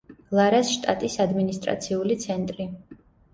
ლარას შტატის ადმინისტრაციული ცენტრი.